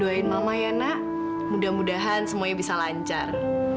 doain mama ya nak mudah mudahan semuanya bisa lancar